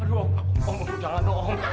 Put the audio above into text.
aduh om jalan dong om